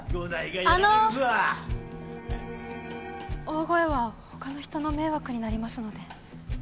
大声は他の人の迷惑になりますので。